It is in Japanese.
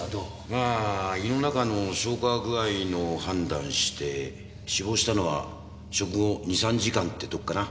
まあ胃の中の消化具合を判断して死亡したのは食後２３時間ってとこかな。